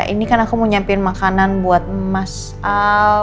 ini kan aku mau nyampein makanan buat mas al